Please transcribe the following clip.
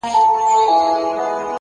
د حُسن وږم دې د سترگو زمانه و نه خوري _